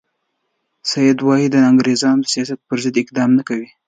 سید وایي د انګریزانو د سیاست پر ضد اقدام نه کوي.